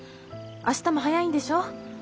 明日も早いんでしょう？